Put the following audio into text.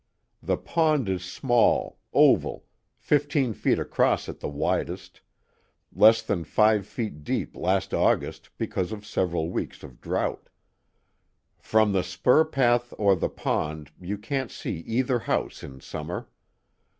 The pond is small, oval, fifteen feet across at the widest, less than five feet deep last August because of several weeks of drouth. "From the spur path or the pond, you can't see either house in summer.